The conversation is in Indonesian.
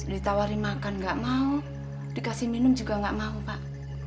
ditawari makan nggak mau dikasih minum juga nggak mau pak